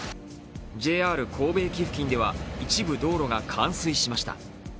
ＪＲ神戸駅付近では一部、道路が冠水しました。